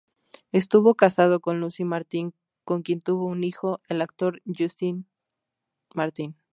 Estuvo casado con Lucy Martin con quien tuvo un hijo, el actor Justin Martin.